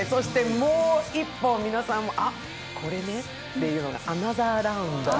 もう１本、皆さん、あ、これねというのが「アナザーラウンド」。